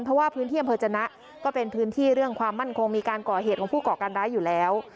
เพราะว่าพื้นที่อำเภอจนะก็เป็นพื้นที่เรื่องความมั่นคงมีการก่อเหตุของผู้ก่อการร้ายอยู่แล้ว